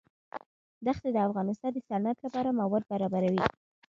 دښتې د افغانستان د صنعت لپاره مواد برابروي.